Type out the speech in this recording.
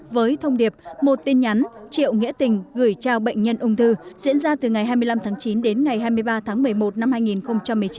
với thông điệp một tin nhắn triệu nghĩa tình gửi trao bệnh nhân ung thư diễn ra từ ngày hai mươi năm tháng chín đến ngày hai mươi ba tháng một mươi một năm hai nghìn một mươi chín